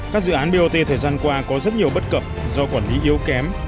các dự án bot thời gian qua có rất nhiều bất cập do quản lý yếu kém